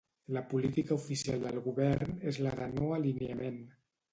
La política oficial del govern és la de no-alineament.